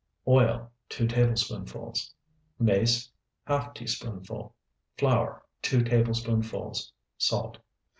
Oil, 2 tablespoonfuls. Mace, ½ teaspoonful. Flour, 2 tablespoonfuls. Salt.